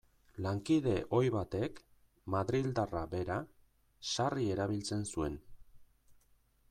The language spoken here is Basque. Lankide ohi batek, madrildarra bera, sarri erabiltzen zuen.